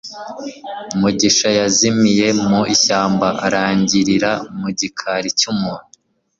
mugisha yazimiye mu ishyamba arangirira mu gikari cy'umuntu